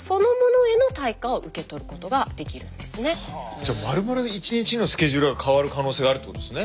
じゃまるまる一日のスケジュールが変わる可能性があるってことですね。